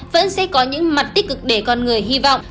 vẫn sẽ có những mặt tích cực để con người hy vọng